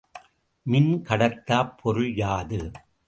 மின் கடத்தாப் பொருள் யாது?